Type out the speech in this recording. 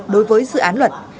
đối với dự án luật